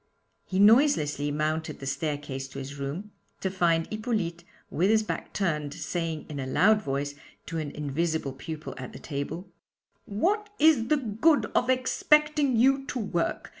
He noiselessly mounted the staircase to his room, to find Hippolyte with his back turned, saying, in a loud voice, to an invisible pupil at the table: 'What is the good of expecting you to work?